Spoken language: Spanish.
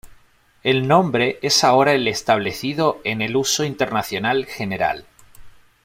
El nombre es ahora el establecido en el uso internacional general.